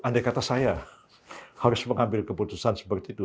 andai kata saya harus mengambil keputusan seperti itu